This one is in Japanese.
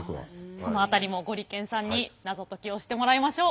その辺りもゴリけんさんにナゾ解きをしてもらいましょう。